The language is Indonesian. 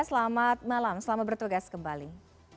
selamat malam selamat bertugas kembali